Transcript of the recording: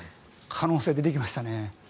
可能性が出てきましたね。